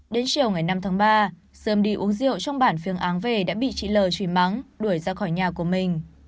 đến chiều ngày năm tháng ba sươm đi uống rượu trong bản phiêng áng về đã bị chị lờ trùy mắng đuổi ra khỏi nhà của mình